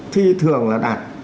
thì thường là đạt